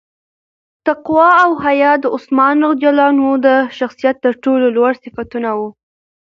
تقوا او حیا د عثمان رض د شخصیت تر ټولو لوړ صفتونه وو.